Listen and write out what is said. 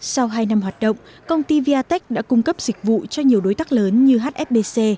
sau hai năm hoạt động công ty viatech đã cung cấp dịch vụ cho nhiều đối tác lớn như hfc